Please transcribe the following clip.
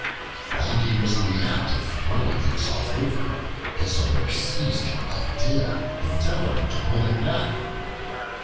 While he was in the act of throwing himself over, his owner seized him by the tail, endeavoring to pull him back.